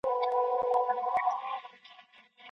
که موږ کار وکړو هېواد به پرمختګ وکړي.